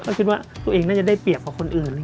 ก็คิดว่าตัวเองน่าจะได้เปรียบกว่าคนอื่น